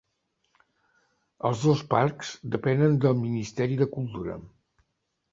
Els dos parcs depenen del Ministeri de Cultura.